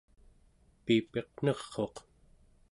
piipiq ner'uq